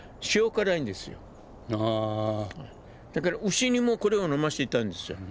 牛にもこれを飲ませていたんですよ。